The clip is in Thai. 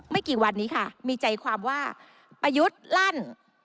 กี่วันนี้ค่ะมีใจความว่าประยุทธ์ลั่น